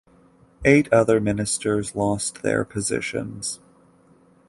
Eight other ministers lost their positions.